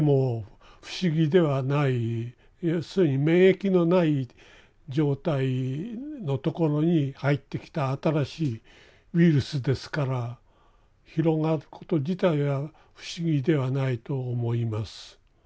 要するに免疫のない状態のところに入ってきた新しいウイルスですから広がること自体は不思議ではないと思います。